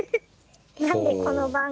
何でこの番組。